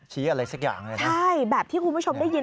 อะไรสักอย่างเลยนะใช่แบบที่คุณผู้ชมได้ยิน